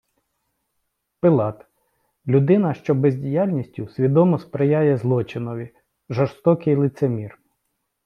Пилат — людина, що бездіяльністю свідомо сприяє злочинов і жорстокий лицемір